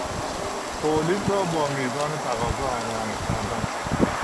تولید را با میزان تقاضا هماهنگ کردن